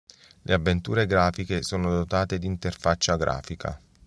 Le avventure grafiche sono dotate di interfaccia grafica.